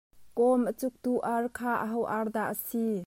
kawm a cuktu ar kha aho ar dah a si?